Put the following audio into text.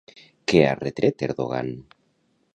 Què ha retret Erdogan?